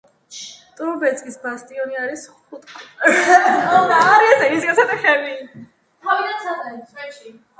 ტრუბეცკის ბასტიონი არის ხუთკუთხა საფორთიფიკაციო ნაგებობა.